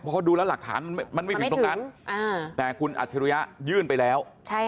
เพราะดูแล้วหลักฐานมันไม่ถึงตรงนั้นแต่คุณอัจฉริยะยื่นไปแล้ว